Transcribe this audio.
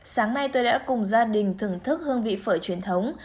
sáng nay tôi đã cùng gia đình thưởng thức hương vị phở truyền thống